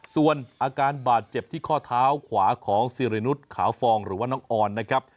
ส่วนอาการบาดเจ็บที่ข้อเท้าขวาของสิรินุษย์ขาวฟองหรือว่าน้องออนนะครับ